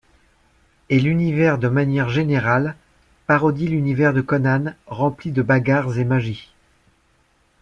Et l'univers de manière générale parodie l'univers de Conan rempli de bagarres et magie.